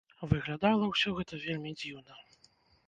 Выглядала ўсё гэта вельмі дзіўна.